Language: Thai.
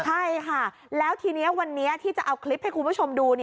ใช่ค่ะแล้วทีนี้วันนี้ที่จะเอาคลิปให้คุณผู้ชมดู